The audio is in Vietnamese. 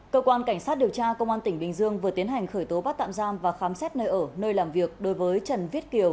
cơ quan cảnh sát điều tra công an tỉnh bình dương vừa tiến hành khởi tố bắt tạm giam và khám xét nơi ở nơi làm việc đối với trần viết kiều